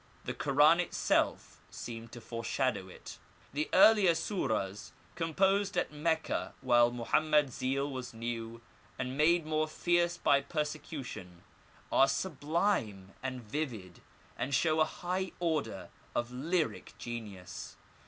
The Koran itself seems to foreshadow it. The earlier Suras, composed at Mecca when Mohammed's zeal was new and made more fierce by persecution, are sublime and vivid, and show a high order of lyric genius.